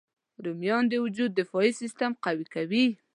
رومیان د وجود دفاعي سیسټم قوي کوي